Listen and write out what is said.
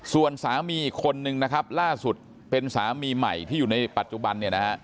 ส่วนสามีคนหนึ่งล่าสุดเป็นสามีใหม่ที่อยู่ในปัจจุบัน